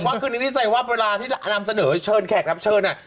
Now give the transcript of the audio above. ว่าคือนิสัยว่าเวลาที่นำเสนอเชิญแขกรับเชิญ